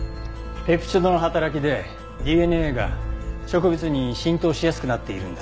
ペプチドの働きでＤＮＡが植物に浸透しやすくなっているんです。